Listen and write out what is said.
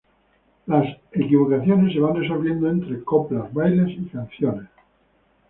Las equivocaciones se van resolviendo entre coplas, bailes y canciones.